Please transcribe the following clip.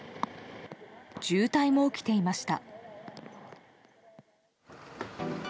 渋滞も起きていました。